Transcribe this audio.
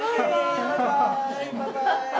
「バイバイ」。